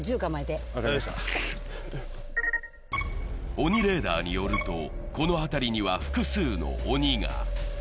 鬼レーダーによると、この辺りには複数の鬼が。